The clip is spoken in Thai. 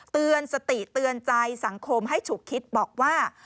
เตือนสติเตือนใจสังคมให้ฉุกคิดบอกว่า